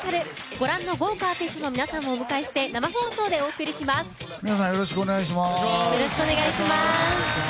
ご覧の豪華アーティストの皆さんをお迎えして皆さんよろしくお願いします。